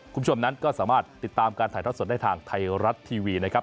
คุณผู้ชมนั้นก็สามารถติดตามการถ่ายทอดสดได้ทางไทยรัฐทีวีนะครับ